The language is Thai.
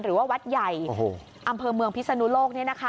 หรือว่าวัดใหญ่อำเภอเมืองพิศนุโลก